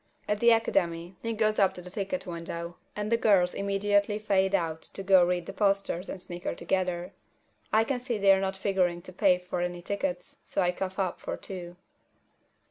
At the Academy Nick goes up to the ticket window, and the girls immediately fade out to go read the posters and snicker together. I can see they're not figuring to pay for any tickets, so I cough up for two.